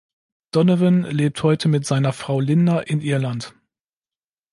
Donovan lebt heute mit seiner Frau Linda in Irland.